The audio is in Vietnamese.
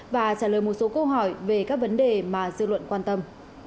và trả lời một số câu hỏi về các vấn đề mà dư luận quan tâm